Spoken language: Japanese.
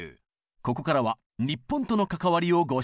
ここからは日本との関わりをご紹介。